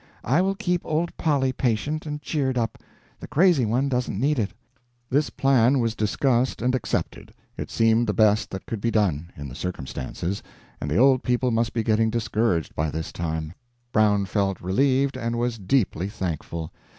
I will keep old Polly patient and cheered up the crazy one doesn't need it." This plan was discussed and accepted; it seemed the best that could be done, in the circumstances, and the Old People must be getting discouraged by this time. Brown felt relieved, and was deeply thankful.